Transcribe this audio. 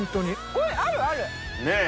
これあるある！ねえ。